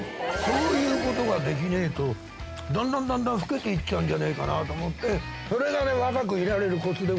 こういうことができねえとだんだんだんだん老けて行っちゃうんじゃねえかなと思って。